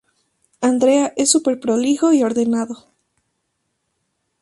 Andrea es súper prolijo y ordenado.